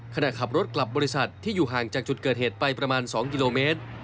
ขณะขับรถกลับบริษัทที่อยู่ห่างจากจุดเกิดเหตุไปประมาณ๒กิโลเมตร